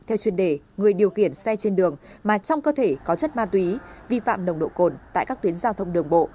theo chuyên đề người điều khiển xe trên đường mà trong cơ thể có chất ma túy vi phạm nồng độ cồn tại các tuyến giao thông đường bộ